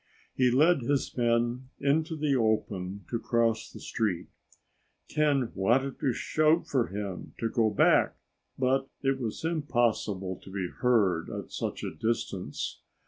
He led his men into the open to cross the street. Ken wanted to shout for him to go back, but it was impossible to be heard at such distance.